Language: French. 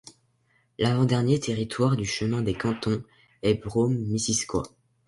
L'avant-dernier territoire du chemin des Cantons est Brome-Missisquoi.